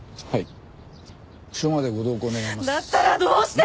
はい。